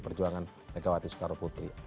perjuangan negawati soekaroputri